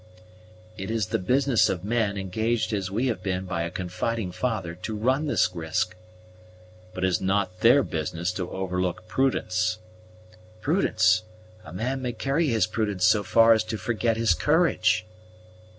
"It is the business of men, engaged as we have been by a confiding father, to run this risk " "But it is not their business to overlook prudence." "Prudence! a man may carry his prudence so far as to forget his courage."